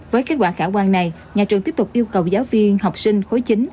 với kết quả khả quan này nhà trường tiếp tục yêu cầu giáo viên học sinh khối chín